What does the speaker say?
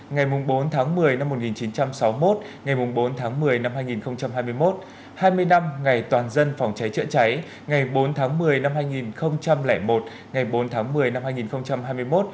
ngày bốn tháng một mươi năm một nghìn chín trăm sáu mươi một ngày bốn tháng một mươi năm hai nghìn hai mươi một hai mươi năm ngày toàn dân phòng cháy chữa cháy ngày bốn tháng một mươi năm hai nghìn một ngày bốn tháng một mươi năm hai nghìn hai mươi một